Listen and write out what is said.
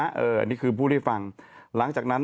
อันนี้คือพูดให้ฟังหลังจากนั้น